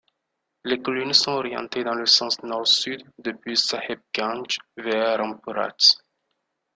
Les collines sont orientées dans le sens nord-sud sur depuis Sahebganj vers Rampurhat.